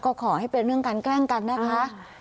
ก็ขอให้เป็นเรื่องการแกล้งกันนะคะ